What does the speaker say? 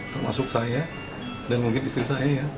termasuk saya dan mungkin istri saya ya